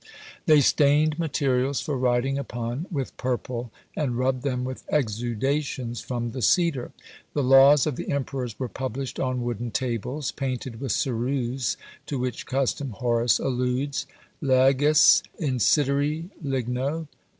They stained materials for writing upon, with purple, and rubbed them with exudations from the cedar. The laws of the emperors were published on wooden tables, painted with ceruse; to which custom Horace alludes: Leges incidere ligno.